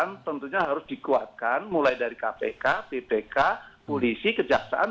yang tentunya harus dikuatkan mulai dari kpk ppk polisi kejaksaan